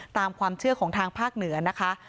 ตามความเชื่อของทางภาคเหนือนะคะ